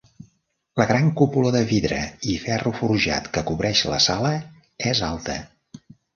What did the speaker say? La gran cúpula de vidre i ferro forjat que cobreix la sala és alta.